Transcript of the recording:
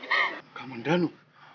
kakak kaman danu